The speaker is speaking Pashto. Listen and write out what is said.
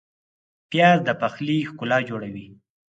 پیاز د پخلي ښکلا جوړوي